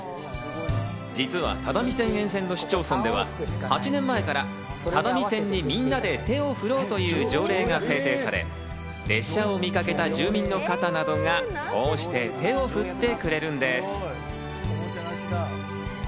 実は只見線沿線の市町村では、８年前から只見線にみんなで手を振ろうという条約が制定され、列車を見かけた住民の方々がこうして手を振ってくれるんです。